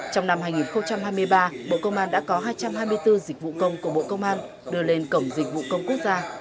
trong năm hai nghìn hai mươi ba bộ công an đã có hai trăm hai mươi bốn dịch vụ công của bộ công an đưa lên cổng dịch vụ công quốc gia